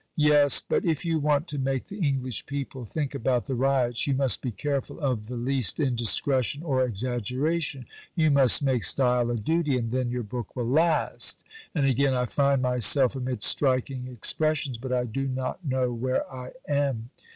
Yes, but if you want to make the English people think about the Ryots you must be careful of the least indiscretion or exaggeration. You must make style a duty, and then your book will last." And again, "I find myself amid striking expressions, but I do not know where I am."